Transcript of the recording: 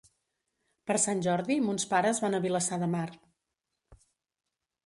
Per Sant Jordi mons pares van a Vilassar de Mar.